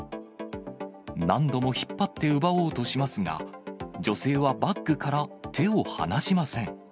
何度も引っ張って奪おうとしますが、女性はバッグから手を離しません。